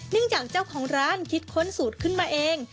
จากเจ้าของร้านคิดค้นสูตรขึ้นมาเอง